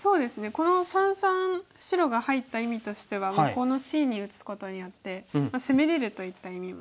この三々白が入った意味としてはこのＣに打つことによって攻めれるといった意味も。